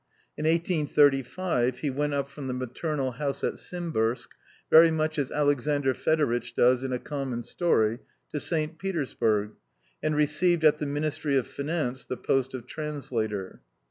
In 1835, ne went U P ^ rom the maternal house at Simbirsk, very much as Alexandr Fedoritch does in A Common Story^ to St. Petersburg, and received at the Ministry of Finance the post of Trans lator.